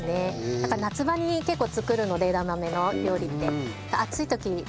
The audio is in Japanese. あとは夏場に結構作るので枝豆の料理って。